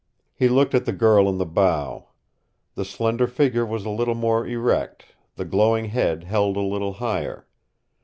He looked at the girl in the bow. The slender figure Was a little more erect, the glowing head held a little higher.